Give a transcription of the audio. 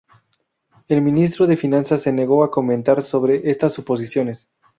El Ministro de Finanzas se negó a comentar sobre estas suposiciones.